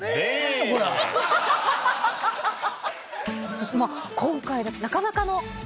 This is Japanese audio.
そして今回なかなかの。